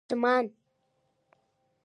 _ډمان